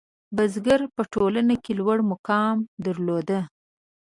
• بزګران په ټولنه کې لوړ مقام درلود.